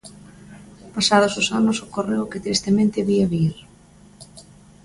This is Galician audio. Pasados os anos ocorreu o que tristemente vía vir.